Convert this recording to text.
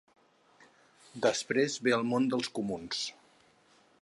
Després ve el món dels comuns.